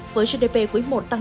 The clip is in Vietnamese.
với gdp quý một tăng năm sáu